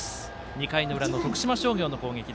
２回の裏、徳島商業の攻撃。